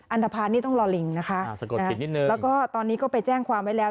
อันตภัณฑ์นี่ต้องรอลิงนะคะแล้วก็ตอนนี้ก็ไปแจ้งความไว้แล้ว